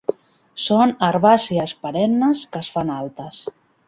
Són herbàcies perennes que es fan altes.